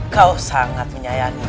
kau sangat menyayangi